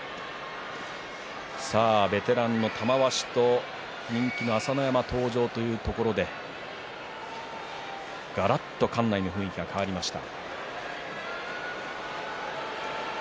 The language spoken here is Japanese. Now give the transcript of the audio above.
ベテランの玉鷲と人気の朝乃山登場というところでがらっと館内の雰囲気が変わりました。